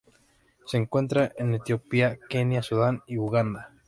Se encuentra en Etiopía, Kenia, Sudán y Uganda.